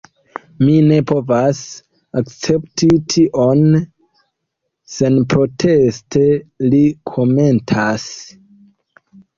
Mi ne povas akcepti tion senproteste, li komentas.